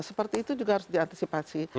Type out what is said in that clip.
seperti itu juga harus diantisipasi